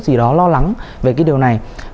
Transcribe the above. gì đó lo lắng về cái điều này